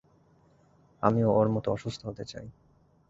আমিও ওর মতো অসুস্থ হতে চাই।